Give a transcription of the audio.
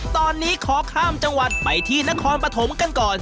ตอนนี้ขอข้ามจังหวัดไปที่นครปฐมกันก่อน